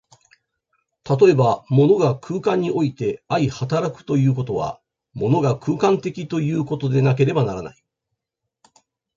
例えば、物が空間において相働くということは、物が空間的ということでなければならない。